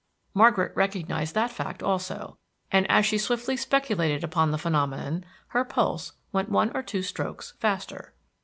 Margaret recognized that fact also, and as she swiftly speculated on the phenomenon her pulse went one or two strokes faster.